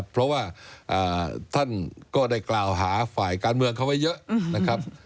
เพราะว่าท่านก็ได้กล่าวหาฝ่ายการเมืองเขาไว้เยอะนะครับ